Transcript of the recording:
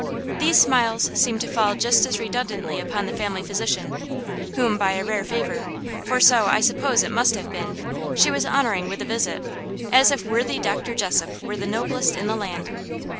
These smiles seemed to fall just as redundantly upon the family physician, whom by a rare favour for so, I suppose, it must have been she was honouring with a visit, as if worthy Dr. Jessop were the noblest in the land.